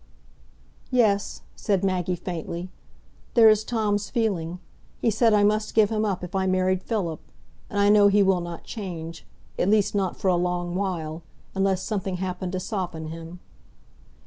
"Yes," said Maggie, faintly. "There is Tom's feeling. He said I must give him up if I married Philip. And I know he will not change—at least not for a long while—unless something happened to soften him."